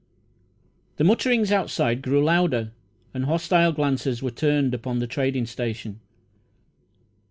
The mutterings outside grew louder, and hostile glances were turned upon the trading station.